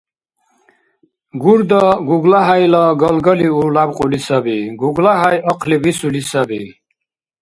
Гурда ГуглахӀяйла галгалиу лябкьули саби. ГуглахӀяй ахъли бисули саби.